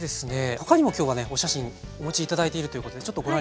他にも今日はねお写真お持ち頂いているということでちょっとご覧頂きましょう。